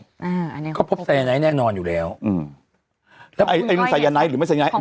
อ่าอันนี้เขาพบไซยาไนท์แน่นอนอยู่แล้วอืมไซยาไนท์หรือไม่ไซยาไนท์